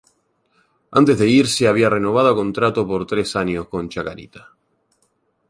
Antes de irse había renovado contrato por tres años con Chacarita.